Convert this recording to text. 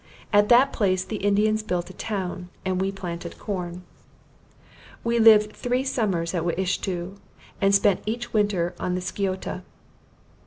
At that place the Indians built a town, and we planted corn. We lived three summers at Wiishto, and spent each winter on the Sciota.